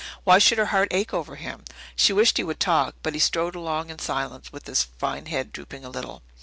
Why should her heart ache over him? She wished he would talk, but he strode along in silence, with his fine head drooping a little.